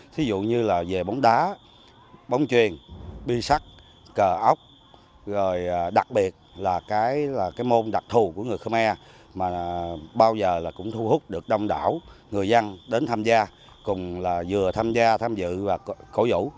thí dụ như là về bóng đá bóng truyền bi sắt cờ ốc rồi đặc biệt là cái môn đặc thù của người khmer mà bao giờ là cũng thu hút được đông đảo người dân đến tham gia cùng là vừa tham gia tham dự và cổ vũ